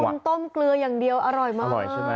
มันต้มเกลืออย่างเดียวอร่อยมาก